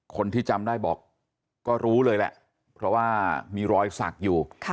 คนที่จำได้บอกก็รู้เลยแหละเพราะว่ามีรอยสักอยู่